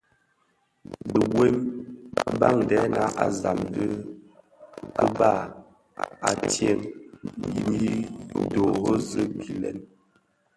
Dhibuem, badèna a zam dhi kèba a tyèn nyi dhorozi gilèn.